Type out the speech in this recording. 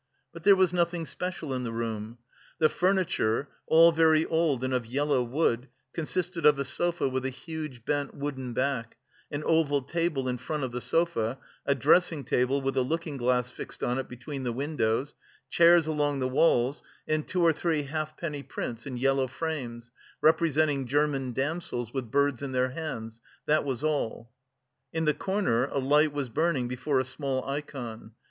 But there was nothing special in the room. The furniture, all very old and of yellow wood, consisted of a sofa with a huge bent wooden back, an oval table in front of the sofa, a dressing table with a looking glass fixed on it between the windows, chairs along the walls and two or three half penny prints in yellow frames, representing German damsels with birds in their hands that was all. In the corner a light was burning before a small ikon.